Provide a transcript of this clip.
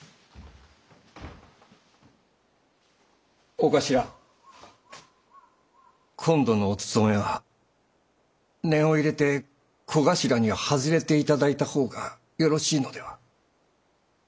お頭今度のお盗めは念を入れて小頭に外れて頂いた方がよろしいのでは。